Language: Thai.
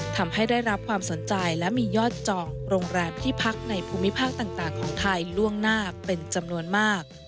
ทำให้ได้รับความสนใจและมียอดจองโรงแรมที่พักในภูมิภาคต่างของไทยล่วงหน้าเป็นจำนวนมาก